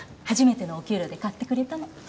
初めてのお給料で買ってくれたの。